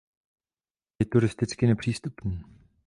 Je turisticky nepřístupný.